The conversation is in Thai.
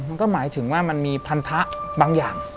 มันก็หมายถึงว่ามันมีพันธะบางอย่าง